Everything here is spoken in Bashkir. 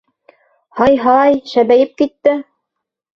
Һай-һай, шәбәйеп китте!